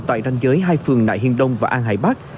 tại đăng giới hai phường nại hiên đông và an hải bắc